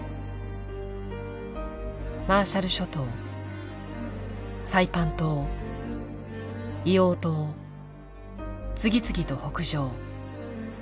マーシャル諸島サイパン島硫黄島次々と北上。